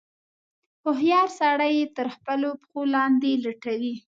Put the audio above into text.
هوښیار سړی یې تر خپلو پښو لاندې لټوي.